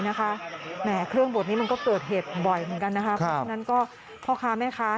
แน่เครื่องบนนี้มันก็เกิดเหตุบ่อยเหมือนกัน